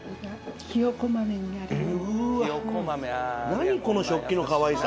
何この食器のかわいさ。